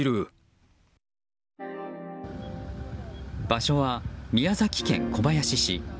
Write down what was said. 場所は宮崎県小林市。